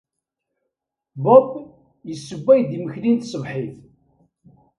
Bob yessewway-d imekli n tṣebḥit.